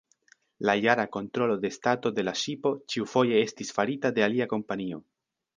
La jara kontrolo de stato de la ŝipo ĉiufoje estis farita de alia kompanio.